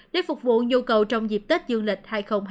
để phục vụ nhu cầu trong dịp tết dương lịch hai nghìn hai mươi bốn